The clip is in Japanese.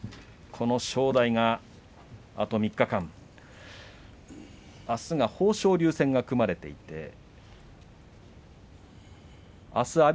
この正代、あと３日間あすは豊昇龍戦が組まれています。